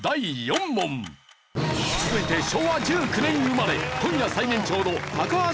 続いて昭和１９年生まれ今夜最年長の高橋英樹が登場！